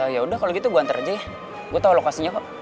yaudah kalo gitu gue nganter aja ya gue tau lokasinya kok